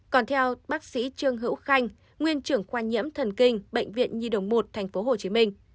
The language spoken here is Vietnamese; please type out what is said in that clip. còn theo bác sĩ trương hữu khanh nguyên trưởng khoa nhiễm thần kinh bệnh viện nhi đồng một tp hcm